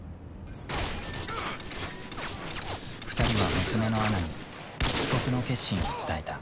２人は娘のアナに帰国の決心を伝えた。